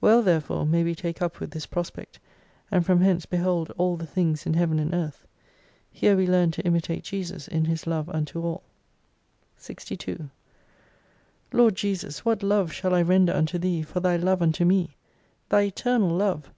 Well therefore may we take up with this prospect, and from hence behold all the things in Heaven and Earth. Here we learn to imitate Jesus in His love unto all. 43 62 LORD JESUS what love shall I render unto Thee, for Thy love unto me ! Thy eternal love